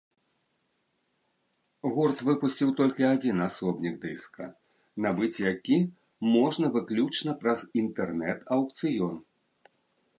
Гурт выпусціў толькі адзін асобнік дыска, набыць які можна выключна праз інтэрнэт-аукцыён.